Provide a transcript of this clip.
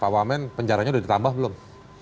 pak wamen penjaranya udah ditambah belum